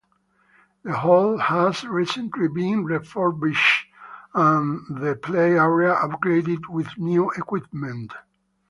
The Hall has recently been refurbished and the play area upgraded with new equipment.